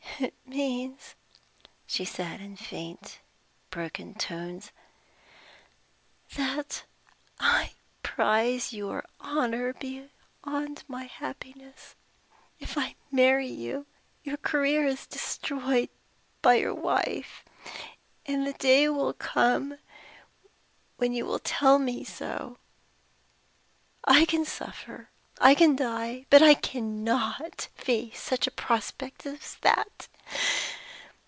"It means," she said in faint, broken tones, "that I prize your honor beyond my happiness. If I marry you, your career is destroyed by your wife; and the day will come when you will tell me so. I can suffer I can die; but I can not face such a prospect as that.